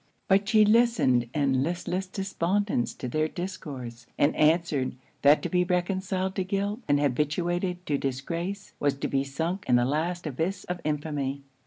But she listened in listless despondence to their discourse, and answered, that to be reconciled to guilt, and habituated to disgrace, was to be sunk in the last abyss of infamy.